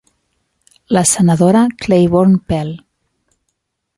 La senadora Claiborne Pell.